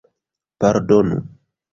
Pardonu!